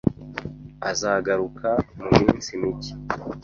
Azagaruka muminsi mike